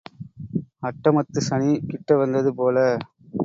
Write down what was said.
அட்டமத்துச் சனி கிட்ட வந்தது போல.